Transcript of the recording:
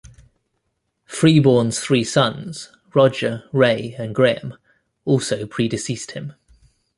Freeborn's three sons - Roger, Ray and Graham - also predeceased him.